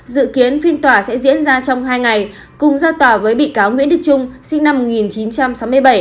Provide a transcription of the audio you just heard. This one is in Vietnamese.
dự kiến phiên tòa sẽ diễn ra trong hai ngày cùng ra tòa với bị cáo nguyễn đức trung sinh năm một nghìn chín trăm sáu mươi bảy